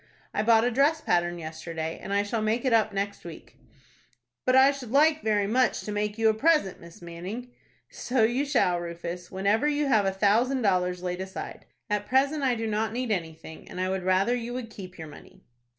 I bought a dress pattern yesterday, and I shall make it up next week." "But I should like very much to make you a present, Miss Manning." "So you shall, Rufus, whenever you have a thousand dollars laid aside. At present I do not need anything, and I would rather you would keep your money."